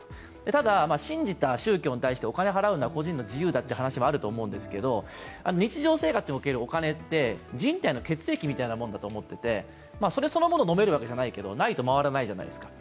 ただ、信じた宗教に対してお金を払うのは個人の自由だという話もあると思うんですけど、日常生活におけるお金って人体の血液みたいなものだと思っていて、それそのものを飲めるわけじゃないけど、ないと回らないじゃないですか。